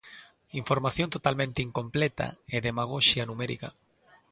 Información totalmente incompleta e demagoxia numérica.